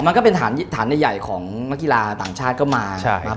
มันก็เป็นฐานใหญ่ของนักกีฬาต่างชาติก็มา